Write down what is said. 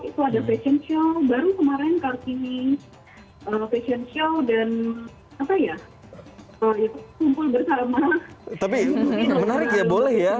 itu ada fashion show baru kemarin kartini fashion show dan apa ya kumpul bersama tapi menarik ya boleh ya